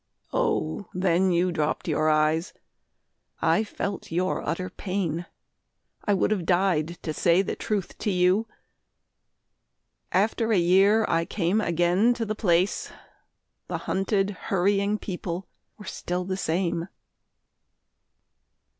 Oh then You dropped your eyes. I felt your utter pain. I would have died to say the truth to you. After a year I came again to the place The hunted hurrying people were still the same....